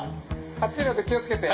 暑いので気を付けて。